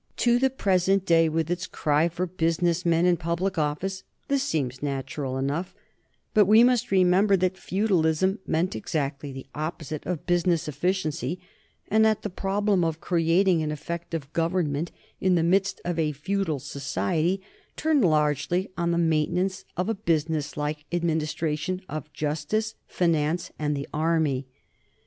To the present day, with its cry for business men in public office, this seems natural enough; but we must remember that feudalism meant exactly the opposite of business efficiency, and that the problem of creating an effective government in the midst of a feudal society turned largely on the maintenance of a businesslike administration of justice, finance, and the army.